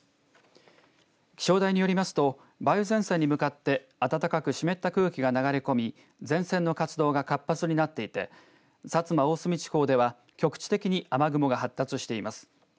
気象台によりますと梅雨前線に向かって暖かく湿った空気が流れ込み前線の活動が活発になっていて薩摩、大隅地方では局地的に雨雲が発達しています。